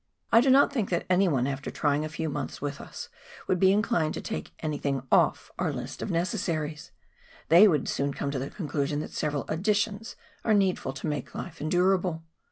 I do not think that anyone after trying a few months with us would be inclined to take anything off our list of necessaries ; they would soon come to a conclusion that several additions are needful to make the life endurable.